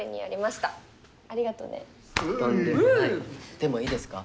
でもいいですか？